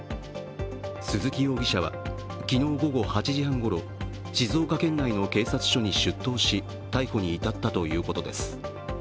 鈴木容疑者は昨日午後８時半ごろ、静岡県内の警察署に出頭し逮捕に至ったということです。